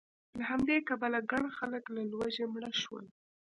له همدې کبله ګڼ خلک له لوږې مړه شول